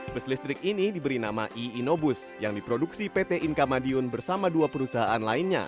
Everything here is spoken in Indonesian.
bus listrik ini diberi nama e innobus yang diproduksi pt inka madiun bersama dua perusahaan lainnya